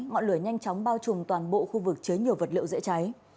mọi lửa nhanh chóng bao trùm toàn bộ khu vực chế nhiều vật liệu dễ cháy